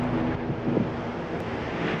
অনেক গোলাবারুদ, স্যার।